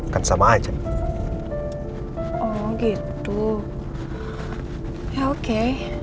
kan sama aja oh gitu oke